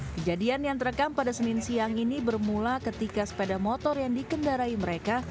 kejadian yang terekam pada senin siang ini bermula ketika sepeda motor yang dikendarai mereka